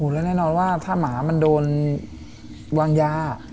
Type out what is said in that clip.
และแน่นอนว่าถ้าหมามันโดนวางยา